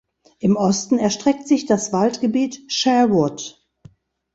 Im Osten erstreckt sich das Waldgebiet "Sherwood".